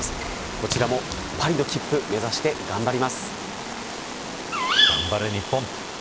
こちらもパリの切符目指して頑張れ日本。